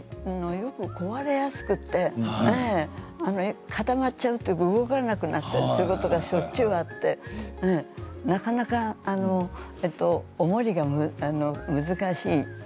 よく壊れやすくて固まっちゃう動かなくなったりすることがしょっちゅうあってなかなか、お守りが難しい。